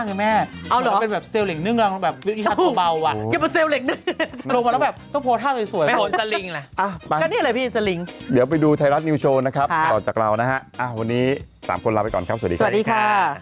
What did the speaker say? ในวีดีโชว์นะครับต่อจากเรานะฮะวันนี้๓คนลาไปก่อนครับสวัสดีค่ะ